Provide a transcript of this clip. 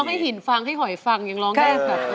นี่ร้องให้หินฟังให้หอยฟังยังร้องได้